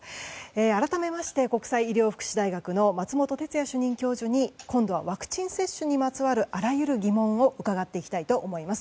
改めまして国際医療福祉大学の松本哲哉主任教授に今度はワクチン接種にまつわるあらゆる疑問を伺っていきたいと思います。